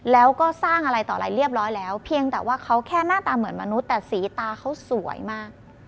แล้วก็สร้างอะไรต่ออะไรเรียบร้อยแล้วเพียงแต่ว่าเขาแค่หน้าตาเหมือนมนุษย์แต่สีตาเขาสวยมาก